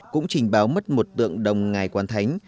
cũng trình báo mất một tượng đồng ngài quán thánh